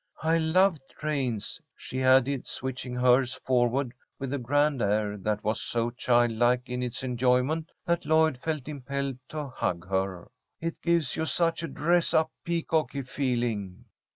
I love trains," she added, switching hers forward with a grand air that was so childlike in its enjoyment that Lloyd felt impelled to hug her. "It gives you such a dressed up, peacocky feeling."